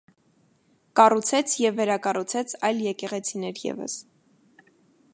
Կառուցեց և վերակառուցեց այլ եկեղեցիներ ևս։